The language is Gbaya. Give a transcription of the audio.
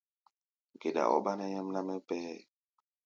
Geɗa ɔ́ ɓáná nyɛmná mɛ́ pɛʼɛ́ɛ.